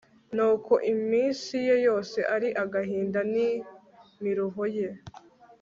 kuko iminsi ye yose ari agahinda n imiruho ye